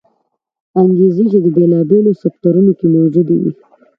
انګېزې چې د بېلابېلو سکتورونو کې موجودې وې